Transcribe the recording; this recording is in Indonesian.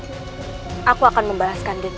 bukankah kau syekh nudjati